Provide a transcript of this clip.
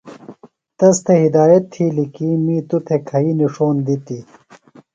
تس تھےۡ ہدایت تِھیلیۡ کی می توۡ تھےۡ کھئی نِݜوݨ دِتیۡ۔